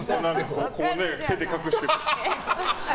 こうね、手で隠して。